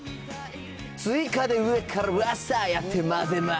追加で上からわっさーやって混ぜます。